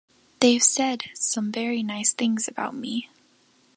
They've said some very nice things about me.